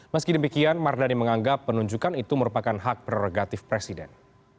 meski demikian mardani menganggap penunjukan itu merupakan hak prerogatif presiden